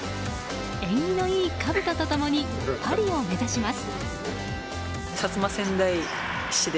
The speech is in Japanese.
縁起のいいかぶとと共にパリを目指します。